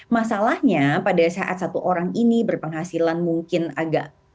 masalahnya pada saat satu orang ini berpenghasilan mungkin agak minimal atau lebih tinggi